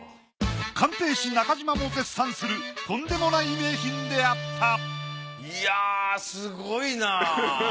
鑑定士中島も絶賛するとんでもない名品であったいやすごいなぁ。